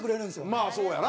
まあ、そうやな。